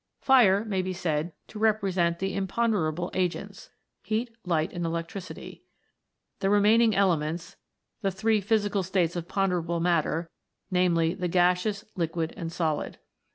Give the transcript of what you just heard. Fire may be said to represent the imponderable agents heat, light, and electricity ; the remaining elements, the three physical states of ponderable matter, namely, the gaseous, liquid, and solid.